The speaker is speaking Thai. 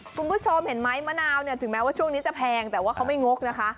คุณผู้ชมเห็นไหมมะนาวเนี่ยถึงแม้ว่าช่วงนี้จะแพงแต่ว่าเขาไม่งกนะคะ